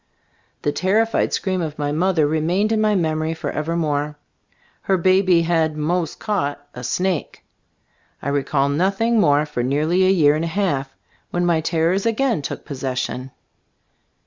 The terrified scream of my mother remained in my memory forever more. Her baby had "mos* caught" a snake. I recall nothing more for nearly a year and a half, when my terrors again took possession.